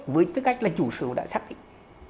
với tư cách là chủ sở đã xác định